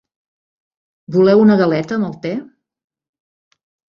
Voleu una galeta amb el te?